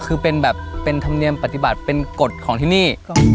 คือเป็นแบบเป็นธรรมเนียมปฏิบัติเป็นกฎของที่นี่